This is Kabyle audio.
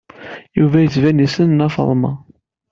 Yuba yettban yessen Nna Faḍma.